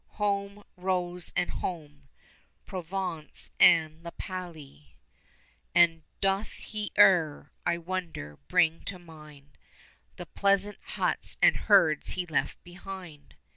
(Home, Rose, and home, Provence and La Palie.) And doth he e'er, I wonder, bring to mind The pleasant huts and herds he left behind?